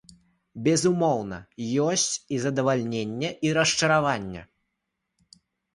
Безумоўна, ёсць і задавальненне, і расчараванне.